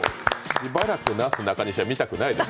しばらくなすなかにしは見たくないです、